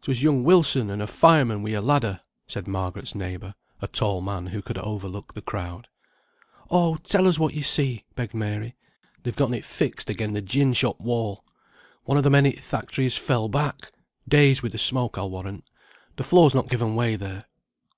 "'Twas young Wilson and a fireman wi' a ladder," said Margaret's neighbour, a tall man who could overlook the crowd. "Oh, tell us what you see?" begged Mary. "They've gotten it fixed again the gin shop wall. One o' the men i' th' factory has fell back; dazed wi' the smoke, I'll warrant. The floor's not given way there.